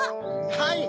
はい！